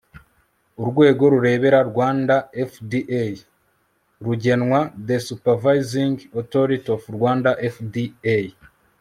Urwego rureberera Rwanda FDA rugenwa The supervising authority of Rwanda FDA